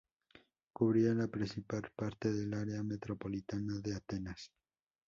Cubría la principal parte del área metropolitana de Atenas.